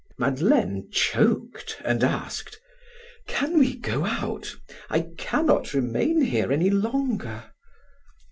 Madeleine choked and asked: "Can we go out? I cannot remain here any longer."